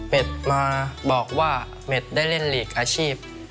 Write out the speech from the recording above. มาบอกว่าเม็ดได้เล่นหลีกอาชีพ